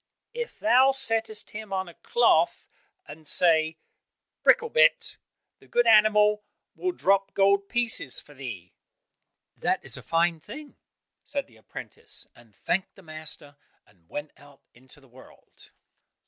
"If thou settest him on a cloth and sayest 'Bricklebrit,' the good animal will drop gold pieces for thee." "That is a fine thing," said the apprentice, and thanked the master, and went out into the world.